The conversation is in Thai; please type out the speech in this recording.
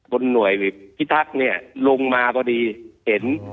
บนหน่วยพิทักษ์เนี่ยลงมาพอดีเห็น